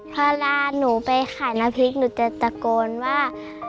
เวลาหนูไปขายน้ำพริกหนูจะตะโกนว่า